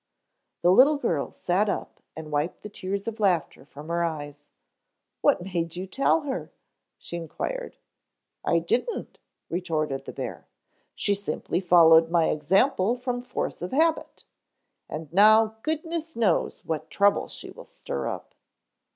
The little girl sat up and wiped the tears of laughter from her eyes. "What made you tell her?" she inquired. "I didn't," retorted the bear. "She simply followed my example from force of habit. And now goodness knows what trouble she will stir up."